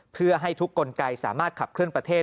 เพื่อให้ทุกกลไกสามารถขับเคลื่อนประเทศ